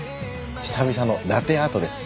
久々のラテアートです。